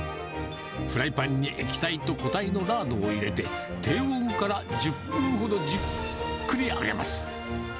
フライパンに液体と固体のラードを入れて、低温から１０分ほどじっくり揚げます。